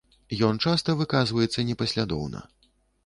Ён часта выказваецца непаслядоўна.